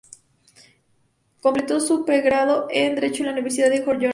Completó su pregrado en Derecho en la Universidad de Jordania.